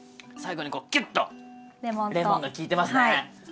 最後にこうきゅっとレモンが利いてますね。